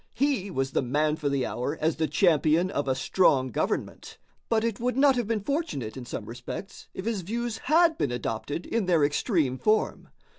He was the man for the hour as the champion of a strong government, but it would not have been fortunate in some respects if his views had been adopted in their extreme form.